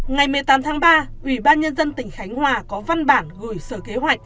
ngày một mươi tám tháng ba ủy ban nhân dân tỉnh khánh hòa có văn bản gửi sở kế hoạch